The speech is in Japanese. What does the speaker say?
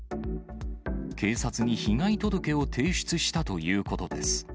警察に被害届を提出したということです。